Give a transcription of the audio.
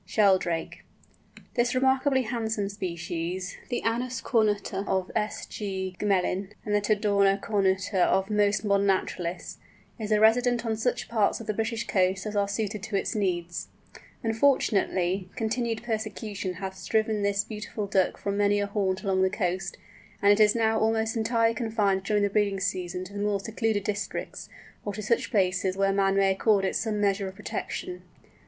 SHELDRAKE. This remarkably handsome species, the Anas cornuta of S. G. Gmelin, and the Tadorna cornuta of most modern naturalists, is a resident on such parts of the British coasts as are suited to its needs. Unfortunately, continued persecution has driven this beautiful Duck from many a haunt along the coast, and it is now almost entirely confined during the breeding season to the more secluded districts, or to such places where man may accord it some measure of protection.